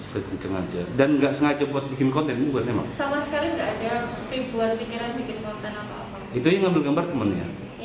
belakangan aksi ini dikecam masyarakat karena membahayakan pelaku dan pengguna jalan lain